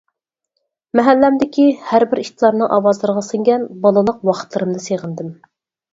مەھەللەمدىكى ھەربىر ئىتلارنىڭ ئاۋازلىرىغا سىڭگەن بالىلىق ۋاقىتلىرىمنى سېغىندىم.